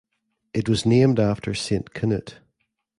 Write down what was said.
It was named after Saint Canute.